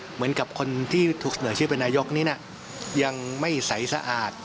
เหมือนกับคนที่ถูกเสนอชื่อเป็นนายกนี้นะยังไม่ใสสะอาด